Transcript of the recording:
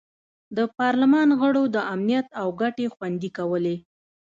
د پارلمان غړو د امنیت او ګټې خوندي کولې.